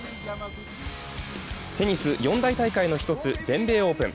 テニス四大大会の１つ、全米オープン。